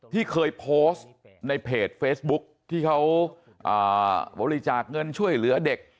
ที่เคยโพสต์ในเพจเฟซบุ๊คที่เขาบริจาคเงินช่วยเหลือเด็ก